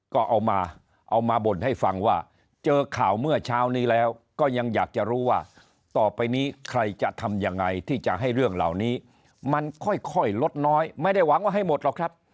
ก็เอามาเอามาบ่นให้ฟังว่าเจอข่าวเมื่อเช้านี้แล้วก็ยังอยากจะรู้ว่าต่อไปนี้ใครจะทำยังไงที่จะให้เรื่องเหล่านี้มันค่อยลดน้อยไม่ได้หวังว่าให้หมดหรอกครับ